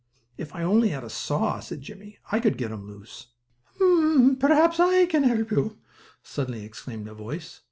"If I only had a saw!" cried Jimmie, "I could get him loose." "Ha! perhaps I can help you!" suddenly exclaimed a voice.